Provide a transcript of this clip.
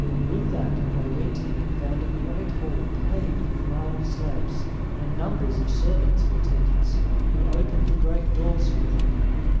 With that they went in and found a great hall paved with marble slabs, and numbers of servants in attendance, who opened the great doors for them.